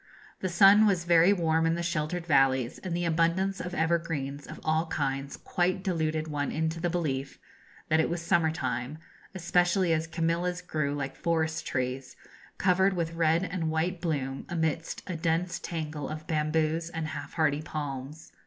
The sun was very warm in the sheltered valleys, and the abundance of evergreens of all kinds quite deluded one into the belief that it was summer time, especially as camellias grew like forest trees, covered with red and white bloom, amidst a dense tangle of bamboos and half hardy palms.